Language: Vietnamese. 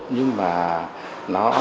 nhưng mà năng lượng tái tạo